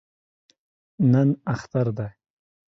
نن اختر دی